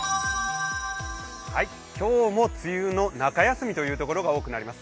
今日も梅雨の中休みというところが多くなります。